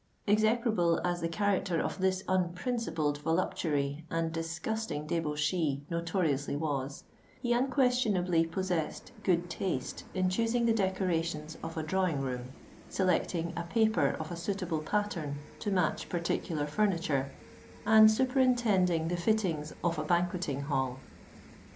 Execrable as the character of this unprincipled voluptuary and disgusting debauchee notoriously was, he unquestionably possessed good taste in choosing the decorations of a drawing room, selecting a paper of a suitable pattern to match particular furniture, and superintending the fittings of a banquetting hall.